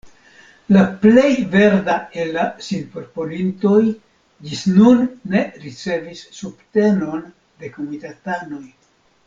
La plej verda el la sinproponintoj ĝis nun ne ricevis subtenon de komitatanoj.